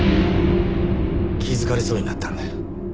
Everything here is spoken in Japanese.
気づかれそうになったんだ。